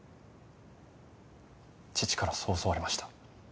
父からそう教わりました。